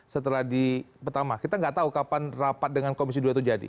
setelah di pertama kita nggak tahu kapan rapat dengan komisi dua itu jadi